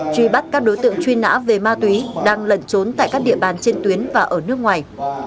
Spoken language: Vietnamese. truy bắt các đối tượng truy nã về ma túy đang lẩn trốn tại các địa bàn trên tuyến và ở nước ngoài